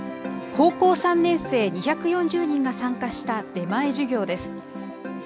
高校３年生２４０人が参加した出前授業です。